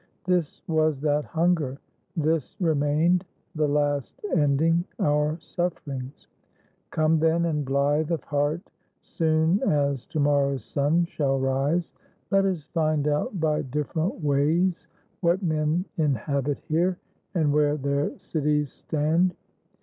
' This was that hunger; this remained, the last. Ending our sufferings. Come then, and bHthe Of heart, soon as to morrow's sun shall rise, Let us find out by different ways what men Inhabit here, and where their cities stand.